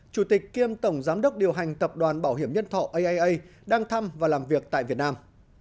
chủ tịch kiêm tổng giám đốc điều hành tập đoàn bảo hiểm nhân thọ aia đang thăm và làm việc tại việt nam